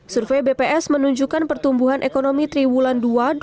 survei bps menunjukkan pertumbuhan ekonomi triwulan dua dua ribu dua puluh